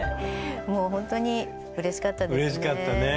もうほんとにうれしかったですね。